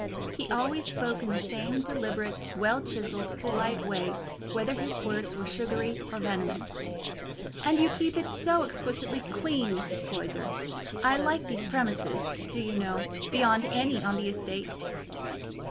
He always spoke in the same deliberate, well chiselled, polite way, whether his words were sugary or venomous. "And you keep it so exquisitely clean, Mrs. Poyser. I like these premises, do you know, beyond any on the estate."